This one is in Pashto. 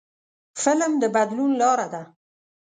فلم د بدلون لاره ده